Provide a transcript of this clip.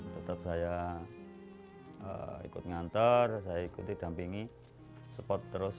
tetap saya ikut nganter saya ikuti dampingi support terus